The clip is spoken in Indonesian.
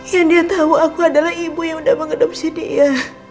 yang dia tau aku adalah ibu yang udah mengendomsi dia